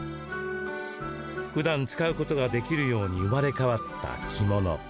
ふだん使うことができるように生まれ変わった着物。